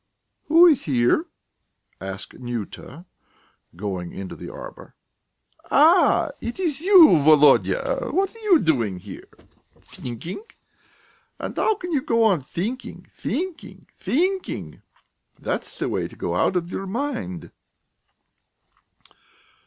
"Who is here?" asked Nyuta, going into the arbour. "Ah, it is you, Volodya? What are you doing here? Thinking? And how can you go on thinking, thinking, thinking?... That's the way to go out of your mind!"